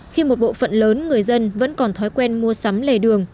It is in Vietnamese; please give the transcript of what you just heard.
khi một bộ phận lớn người dân vẫn còn thói quen mua sắm lề đường